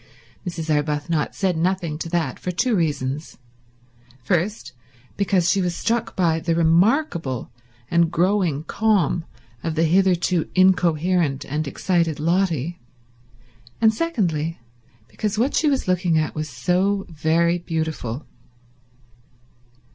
Mrs. Arbuthnot said nothing to that for two reasons—first, because she was struck by the remarkable and growing calm of the hitherto incoherent and excited Lotty, and secondly because what she was looking at was so very beautiful.